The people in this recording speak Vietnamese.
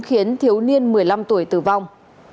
khiến thiếu niên một mươi năm tuổi tử vong